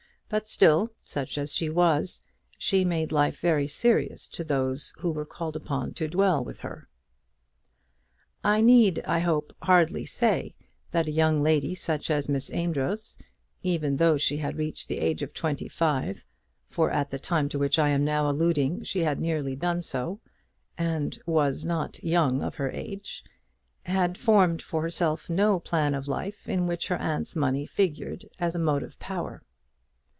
But still, such as she was, she made life very serious to those who were called upon to dwell with her. I need, I hope, hardly say that a young lady such as Miss Amedroz, even though she had reached the age of twenty five, for at the time to which I am now alluding she had nearly done so, and was not young of her age, had formed for herself no plan of life in which her aunt's money figured as a motive power.